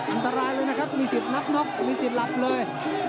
อันตรายเลยนะครับมีสิทธิ์นับน็อกมีสิทธิ์หลับเลย